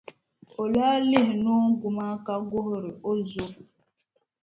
O lahi lihi noongu maa ka guhiri o zo.